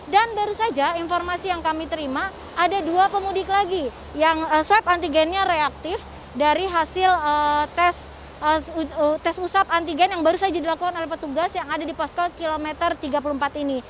dan baru saja informasi yang kami terima ada dua pemudik lagi yang swab antigennya reaktif dari hasil tes usap antigen yang baru saja dilakukan oleh petugas yang ada di posko kilometer tiga puluh empat ini